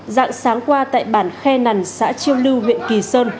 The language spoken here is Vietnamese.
dạng sáng qua tại bản khe nằn xã chiêu lưu huyện kỳ sơn